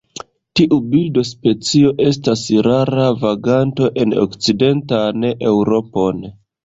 Tiu birdospecio estas rara vaganto en okcidentan Eŭropon.